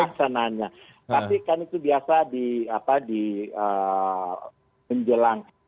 perlaksanaannya tapi kan itu biasa di menjelang